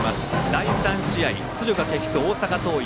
第３試合、敦賀気比と大阪桐蔭。